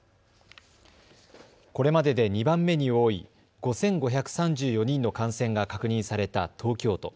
これまでで２番目に多い５５３４人の感染が確認された東京都。